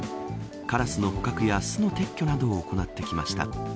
カラスの捕獲や巣の撤去などを行ってきました。